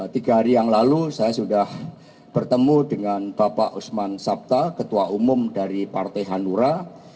tiga hari yang lalu saya sudah bertemu dengan bapak usman sabta ketua umum dari partai hanura